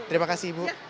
terima kasih ibu